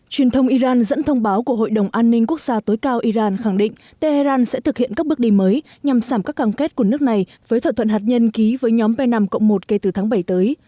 truyền thông iran dẫn thông báo của hội đồng an ninh quốc gia tối cao iran khẳng định tehran sẽ thực hiện các bước đi mới nhằm sảm các cam kết của nước này với thỏa thuận hạt nhân ký với nhóm p năm một kể từ tháng bảy tới